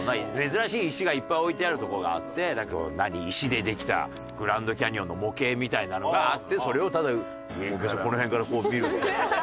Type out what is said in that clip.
珍しい石がいっぱい置いてあるとこがあって石でできたグランドキャニオンの模型みたいなのがあってそれをただこの辺からこう見る。